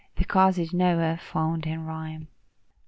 The cause is nowhere found in rhyme.